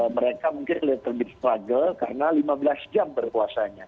mereka mungkin lebih struggle karena lima belas jam berpuasanya